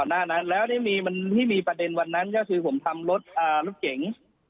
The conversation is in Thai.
หน้านั้นแล้วที่มีประเด็นวันนั้นก็คือผมทำรถรถเก๋ง